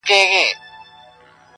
• هغه مټي چي حساب یې وي پر کړی -